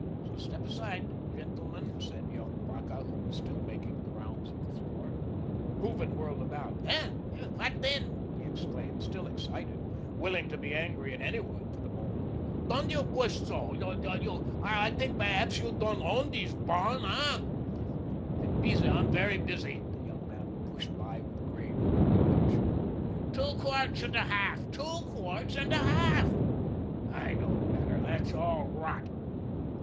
"Please step aside, gentlemen," said young Vacca, who was still making the rounds of the floor. Hooven whirled about. "Eh? What den," he exclaimed, still excited, willing to be angry at any one for the moment. "Doand you push soh, you. I tink berhapz you doand OWN dose barn, hey?" "I'm busy, I'm very busy." The young man pushed by with grave preoccupation. "Two quarts 'n' a half. Two quarts 'n' a half." "I know better. That's all rot."